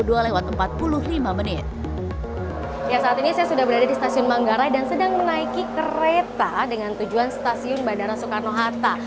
ya saat ini saya sudah berada di stasiun manggarai dan sedang menaiki kereta dengan tujuan stasiun bandara soekarno hatta